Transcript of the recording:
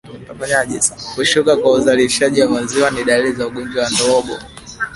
Kushuka kwa uzalishaji wa maziwa ni dalili za ugonjwa wa ndorobo